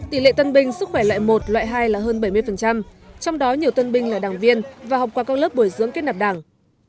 tỷ lệ tân binh sức khỏe loại một loại hai là hơn bảy mươi trong đó nhiều tân binh là đảng viên và học qua các lớp bồi dưỡng kết nạp đảng